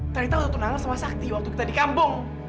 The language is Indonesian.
tadi tau tuan allah semua sakti waktu kita dikambung